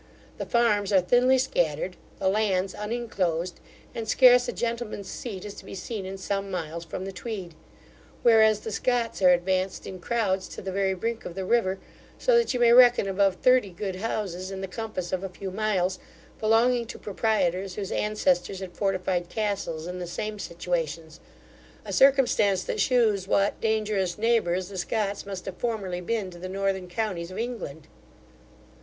The farms are thinly scattered, the lands uninclosed, and scarce a gentleman's seat is to be seen in some miles from the Tweed; whereas the Scots are advanced in crowds to the very brink of the river, so that you may reckon above thirty good houses, in the compass of a few miles, belonging to proprietors whose ancestors had fortified castles in the same situations, a circumstance that shews what dangerous neighbours the Scots must have formerly been to the northern counties of England.